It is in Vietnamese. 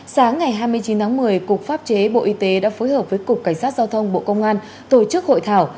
sáng ngày hai mươi chín tháng một mươi cục pháp chế bộ y tế đã phối hợp với cục cảnh sát giao thông bộ công an tổ chức hội thảo